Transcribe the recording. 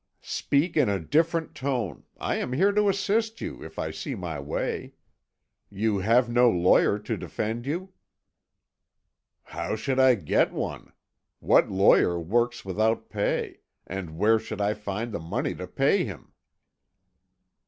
"Speak in a different tone. I am here to assist you, if I see my way. You have no lawyer to defend you?" "How should I get one? What lawyer works without pay, and where should I find the money to pay him?"